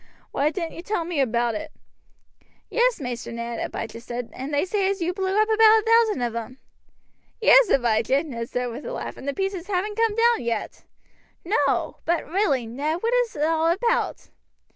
Why didn't you tell me about it?" "Yes, Maister Ned," Abijah put in, "and they say as you blew up about a thousand of them." "Yes, Abijah," Ned said with a laugh, "and the pieces haven't come down yet." "No! but really, Ned, what is it all about?"